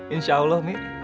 insya allah umi